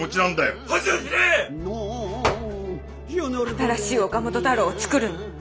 新しい岡本太郎をつくるの。